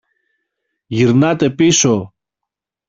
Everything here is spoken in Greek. Γυρνάτε πίσω!